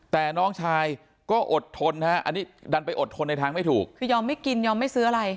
แต่น้องชายก็อดทนฮะอันนี้ดันไปอดทนในทางไม่ถูกคือยอมไม่กินยอมไม่ซื้ออะไร